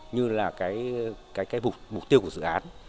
như là cái mục tiêu của dự án